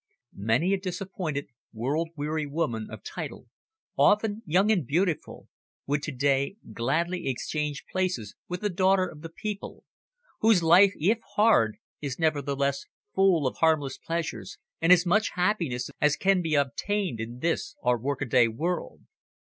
Many a disappointed, world weary woman of title, often young and beautiful, would to day gladly exchange places with the daughter of the people, whose life, if hard, is nevertheless full of harmless pleasures and as much happiness as can to obtained in this our workaday world.